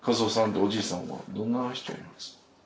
おじいさんはどんな人なんです？